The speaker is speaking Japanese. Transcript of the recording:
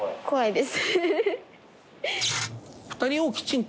怖いです。